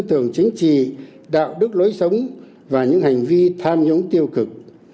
tư tưởng chính trị đạo đức lối sống và những hành vi tham nhũng tiêu cực